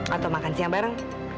atau makan siang bareng